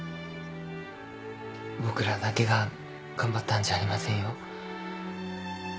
僕らだけが頑張ったんじゃありませんよ。